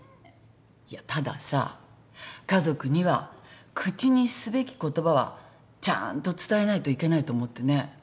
いやたださ家族には口にすべき言葉はちゃんと伝えないといけないと思ってね。